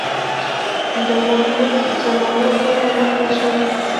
د محمود زامنو تور په مخ موښلی.